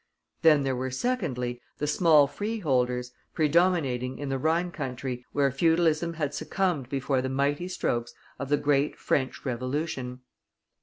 Then there were, secondly, the small freeholders, predominating in the Rhine country, where feudalism had succumbed before the mighty strokes of the great French Revolution.